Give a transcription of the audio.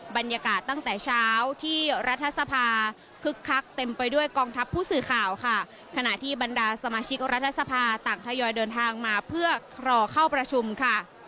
บรรยากาศตั้งแต่เช้าที่รัฐสภาคึกคักเต็มไปด้วยกองทัพผู้สื่อข่าวค่ะขณะที่บรรดาสมาชิกรัฐสภาต่างทยอยเดินทางมาเพื่อรอเข้าประชุมค่ะ